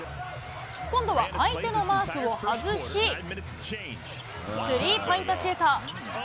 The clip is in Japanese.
今度は相手のマークを外し、スリーポイントシュート。